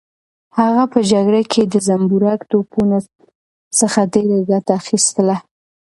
هغه په جګړه کې د زنبورک توپونو څخه ډېره ګټه اخیستله.